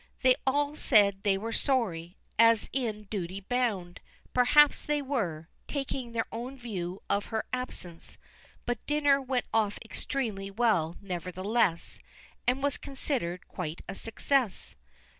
They all said they were sorry, as in duty bound, and perhaps they were, taking their own view of her absence; but dinner went off extremely well, nevertheless, and was considered quite a success.